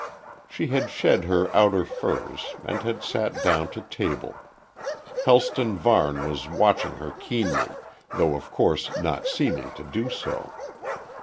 She had shed her outer furs and had sat down to table. Helston Varne was watching her keenly, though of course not seeming to do so.